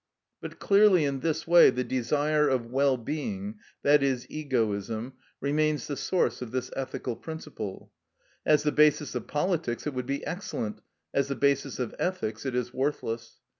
But clearly in this way the desire of well being, i.e., egoism, remains the source of this ethical principle. As the basis of politics it would be excellent, as the basis of ethics it is worthless.